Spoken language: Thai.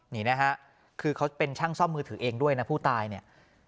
นี่นะฮะคือเขาเป็นช่างซ่อมมือถือเองด้วยนะผู้ตายเนี่ย